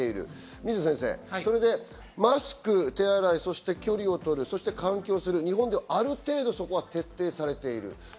水野先生、それでマスク、手洗い、距離を取る、換気をする、日本ではある程度それが徹底されている。